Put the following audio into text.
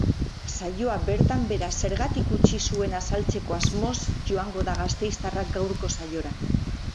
Saioa bertan behera zergatik utzi zuen azaltzeko asmoz joango da gasteiztarra gaurko saiora.